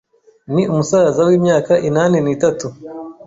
ni umusaza w’imyaka inani nitatu